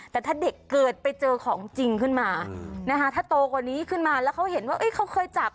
แต่ถ้าเด็กเกิดไปเจอของจริงขึ้นมานะคะถ้าโตกว่านี้ขึ้นมาแล้วเขาเห็นว่าเขาเคยจับ